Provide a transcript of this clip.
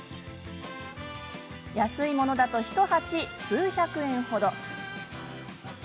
安いものだと１鉢、数百円ほど。